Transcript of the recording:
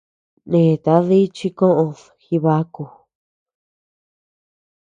Nèta dí chi koʼöd Jibaku.